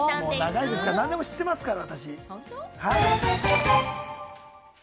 長いから何でも知ってますから。